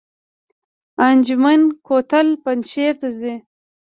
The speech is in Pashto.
انجمین کوتل پنجشیر ته ځي؟